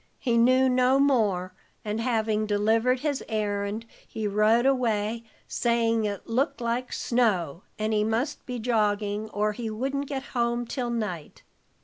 He knew no more, and having delivered his errand he rode away, saying it looked like snow and he must be jogging, or he wouldn't get home till night.